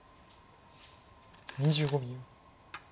２５秒。